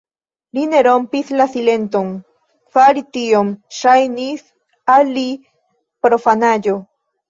Li ne rompis la silenton; fari tion ŝajnis al li profanaĵo.